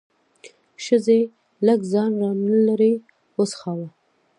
ښځې لږ ځان را نه لرې وڅښاوه.